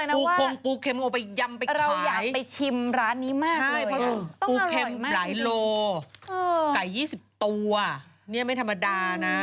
อยู่ย่านน้ำค่ะวัดไตรมิดหรือฮะ